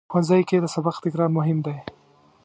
ښوونځی کې د سبق تکرار مهم دی